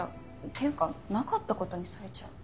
っていうかなかった事にされちゃう。